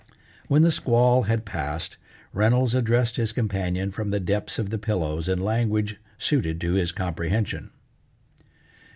When the squall had passed, Reynolds addressed his companion from the depths of the pillows in language suited to his comprehension.